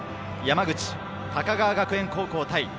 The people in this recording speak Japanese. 山口・高川学園高校対